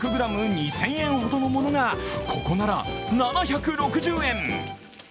２０００円ほどのものが、ここなら７６０円。